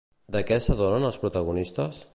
De què s'adonen els protagonistes?